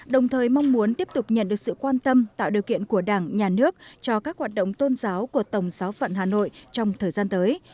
đồng thời mong muốn tiếp tục nhận được sự quan tâm tạo điều kiện của đảng nhà nước cho các hoạt động tôn giáo của tổng giáo phận hà nội trong thời gian tới